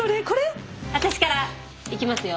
私からいきますよ。